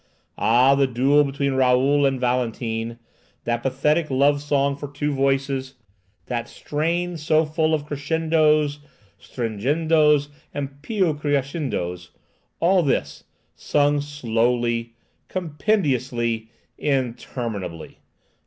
Ah, the duet between Raoul and Valentine, that pathetic love song for two voices, that strain so full of crescendos, stringendos, and piu crescendos—all this, sung slowly, compendiously, interminably!